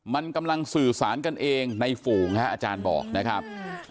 มันกำลังสื่อสารกันเองในฝูงฮะอาจารย์บอกนะครับ